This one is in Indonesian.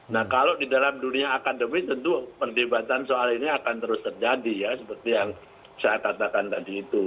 nah kalau di dalam dunia akademis tentu perdebatan soal ini akan terus terjadi ya seperti yang saya katakan tadi itu